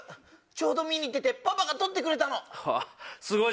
ちょうど見に行ってパパが捕ってくれたの。